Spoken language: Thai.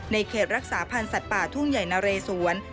เขตรักษาพันธ์สัตว์ป่าทุ่งใหญ่นะเรสวน